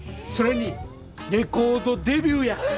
それにレコードデビューや。